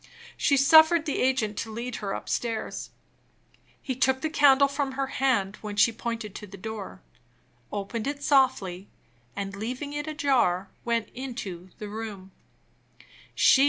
She suffered the agent to lead her upstairs. He took the candle from her hand when she pointed to the door; opened it softly; and, leaving it ajar, went into the room.